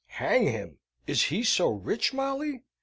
"Hang him! Is he so rich, Molly?"